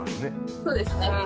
そうですね。